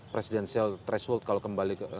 presidensial threshold kalau kembali ke